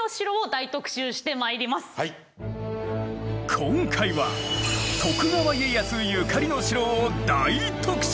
今回は徳川家康ゆかりの城を大特集！